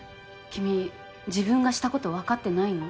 君自分がしたことわかってないの？